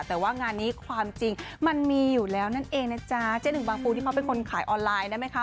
แต่ว่างานนี้ความจริงมันมีอยู่แล้วนั่นเองนะจ๊ะเจ๊หนึ่งบางปูที่เขาเป็นคนขายออนไลน์ได้ไหมคะ